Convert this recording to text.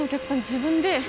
自分で。